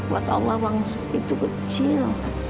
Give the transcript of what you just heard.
buat allah bang segitu kecil